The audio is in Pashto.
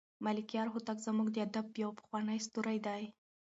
ملکیار هوتک زموږ د ادب یو پخوانی ستوری دی.